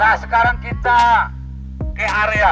nah sekarang kita ke area